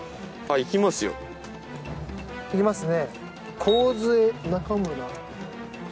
行きますね。